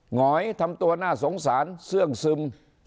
หอยทำตัวน่าสงสารเสื้องซึม